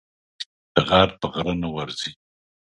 غر په غره نه ورځي.